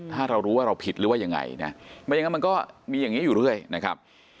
ถ้าเรารู้ว่าเราผิดหรือว่ายังไงนะไม่อย่างนั้นมันก็มีอย่างนี้อยู่เรื่อยนะครับ